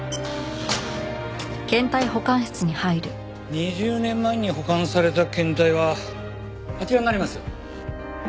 ２０年前に保管された検体はあちらになります。